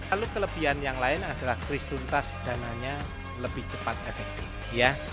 lalu kelebihan yang lain adalah kris tuntas dananya lebih cepat efektif ya